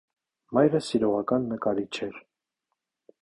Մայրը սիրողական նկարիչ էր։